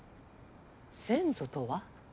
先祖とは？